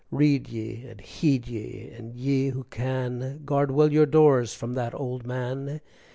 Read ye, and heed ye, and ye who can, Guard well your doors from that old man!